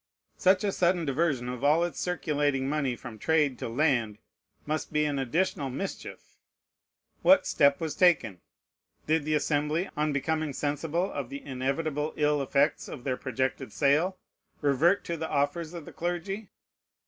Such a sudden diversion of all its circulating money from trade to land must be an additional mischief. What step was taken? Did the Assembly, on becoming sensible of the inevitable ill effects of their projected sale, revert to the offers of the clergy?